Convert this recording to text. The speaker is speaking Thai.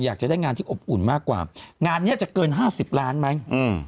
อยากจะได้งานที่อบอุ่นมากกว่างานนี้จะเกิน๕๐ล้านแม้ง